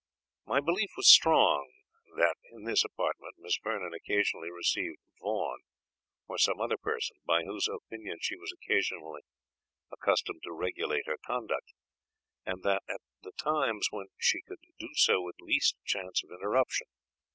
My belief was strong, that in this apartment Miss Vernon occasionally received Vaughan, or some other person, by whose opinion she was accustomed to regulate her conduct, and that at the times when she could do so with least chance of interruption.